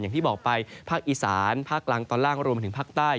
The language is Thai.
อย่างที่บอกไปภาคอีสานภาคกลางตอนล่างรวมมาถึงภาคใต้